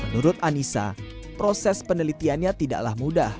menurut anissa proses penelitiannya tidaklah mudah